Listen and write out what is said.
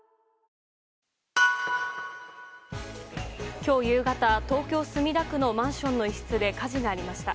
今日夕方、東京・墨田区のマンションの一室で火事がありました。